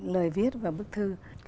lời viết và bức thư